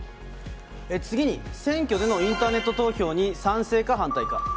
次に選挙でのインターネット投票に賛成か反対か。